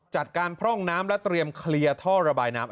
จากการพร่องน้ำและเตรียมเคลียร์ท่อระบายน้ำ